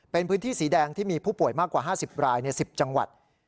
เป็นพื้นที่สีแดงที่มีผู้ป่วยมากกว่า๕๐รายใน๑๐จังหวัด